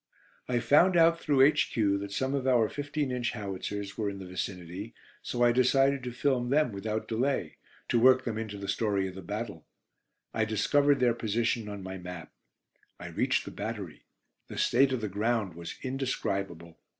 I found out through H.Q. that some of our 15 inch howitzers were in the vicinity, so I decided to film them without delay, to work them into the story of the battle. I discovered their position on my map. I reached the battery. The state of the ground was indescribable.